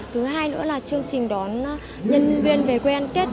thứ hai nữa là chương trình đón nhân viên về quê ăn tết